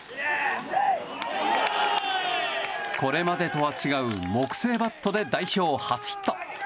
これまでとは違う木製バットで代表初ヒット。